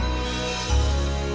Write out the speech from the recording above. aku bisa jelasin semuanya sama kamu